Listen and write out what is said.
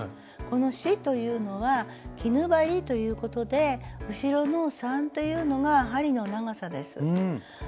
この四というのは絹針ということで後ろの三というのが針の長さです。